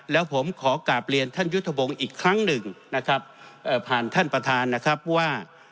แล้วผมขอกลับเรียนท่านยุทธพงศ์อีกครั้งหนึ่งนะครับผ่านท่านประธานนะครับว่า